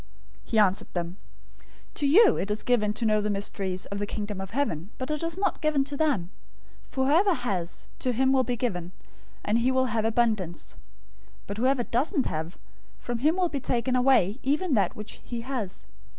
013:011 He answered them, "To you it is given to know the mysteries of the Kingdom of Heaven, but it is not given to them. 013:012 For whoever has, to him will be given, and he will have abundance, but whoever doesn't have, from him will be taken away even that which he has.